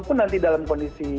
masih dalam kondisi